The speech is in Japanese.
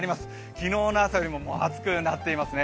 昨日の朝よりも暑くなっていますね。